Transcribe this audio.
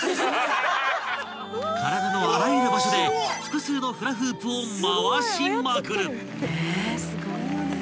［体のあらゆる場所で複数のフラフープを回しまくる］